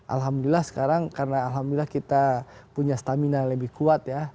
alhamdulillah sekarang karena alhamdulillah kita punya stamina lebih kuat ya